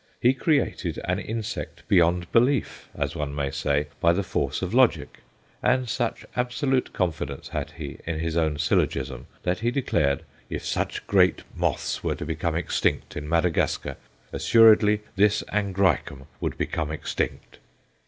He created an insect beyond belief, as one may say, by the force of logic; and such absolute confidence had he in his own syllogism that he declared, "If such great moths were to become extinct in Madagascar, assuredly this Angræcum would become extinct."